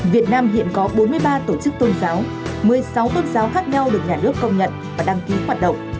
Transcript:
việt nam hiện có bốn mươi ba tổ chức tôn giáo một mươi sáu tôn giáo khác nhau được nhà nước công nhận và đăng ký hoạt động